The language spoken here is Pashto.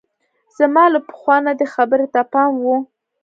زما له پخوا نه دې خبرې ته پام وو.